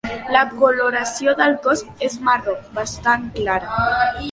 La coloració del cos és marró bastant clara.